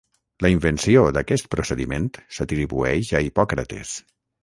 La invenció d'aquest procediment s'atribueix a Hipòcrates.